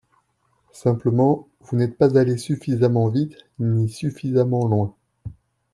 Simplement, vous n’êtes pas allés suffisamment vite, ni suffisamment loin.